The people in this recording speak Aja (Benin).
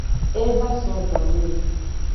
E va so zanme.